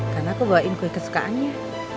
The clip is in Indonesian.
karena aku bawain kue kesukaannya